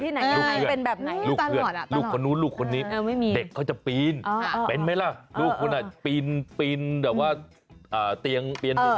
อีกลูกดิชนนี่กลิ่งลงออกจากเปรย์เลย